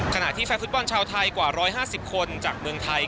ขณะที่แฟนฟุตบอลชาวไทยกว่า๑๕๐คนจากเมืองไทย